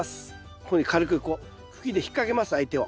こういうふうに軽くこう茎で引っ掛けます相手を。